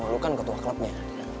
lu kan ketua klubnya